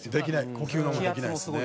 呼吸の方もできないですね。